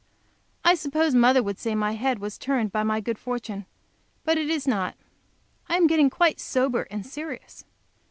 I suppose mother would say my head was turned by my good fortune, but it is not. I am getting quite sober and serious.